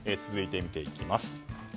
続いて見ていきます。